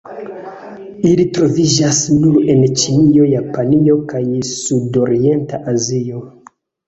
Ili troviĝas nur en Ĉinio, Japanio, kaj Sudorienta Azio.